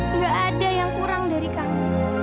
nggak ada yang kurang dari kamu